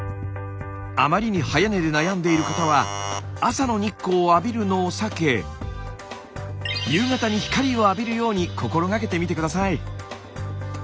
あまりに早寝で悩んでいる方は朝の日光を浴びるのを避け夕方に光を浴びるように心がけてみて下さい。